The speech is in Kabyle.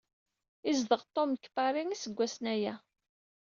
Izdegh Tum g pari isggwasn aya.